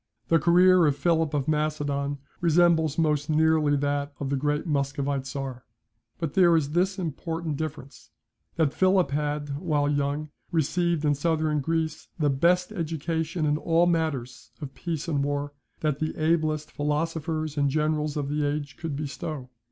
The career of Philip of Macedon resembles most nearly that of the great Muscovite Czar: but there is this important difference, that Philip had, while young, received in Southern Greece the best education in all matters of peace and war that the ablest philosophers and generals of the age could bestow.